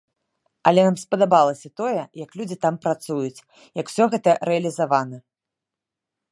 Але нам спадабалася тое, як людзі там працуюць, як усё гэта рэалізавана!